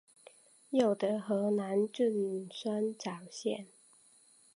又得河南郡酸枣县。